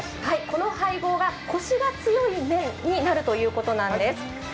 この配合が、コシが強い麺になるということなんです。